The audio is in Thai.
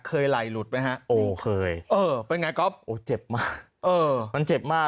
ไหล่หลุดไหมฮะโอ้เคยเออเป็นไงก๊อฟโอ้เจ็บมากเออมันเจ็บมาก